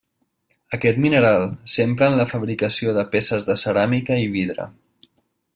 Aquest mineral s'empra en la fabricació de peces de ceràmica i vidre.